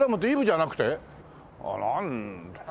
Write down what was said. なんだ。